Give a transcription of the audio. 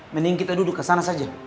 mending kita duduk kesana saja